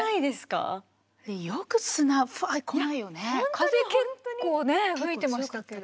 風結構ね吹いてましたけど。